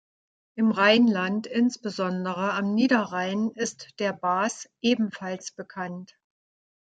Im Rheinland, insbesondere am Niederrhein, ist der Baas ebenfalls bekannt.